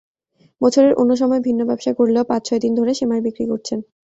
বছরের অন্য সময় ভিন্ন ব্যবসা করলেও পাঁচ-ছয় দিন ধরে সেমাই বিক্রি করছেন।